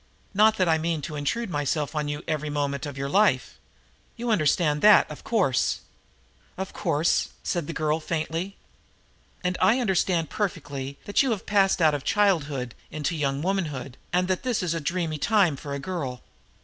Not that I mean to intrude myself on you every moment of your life. You understand that, of course?" "Of course," said the girl faintly. "And I understand perfectly that you have passed out of childhood into young womanhood, and that is a dreamy time for a girl.